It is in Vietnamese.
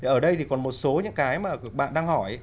ở đây thì còn một số những cái mà bạn đang hỏi